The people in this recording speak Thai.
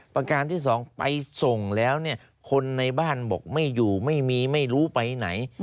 ประการที่สองไปส่งแล้วเนี่ยคนในบ้านบอกไม่อยู่ไม่มีไม่รู้ไปไหน